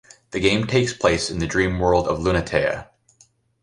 The game takes place in the dream world of Lunatea.